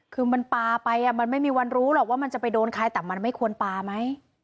คือมันปลาไปมันไม่มีวันรู้หรอกว่ามันจะไปโดนใครแต่มันไม่ควรปลาไหม